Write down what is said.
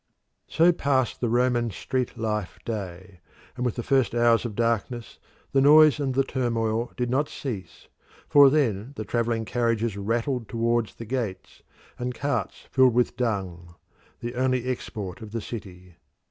So passed the Roman street life day, and with the first hours of darkness the noise and the turmoil did not cease; for then the travelling carriages rattled towards the gates, and carts filled with dung the only export of the city.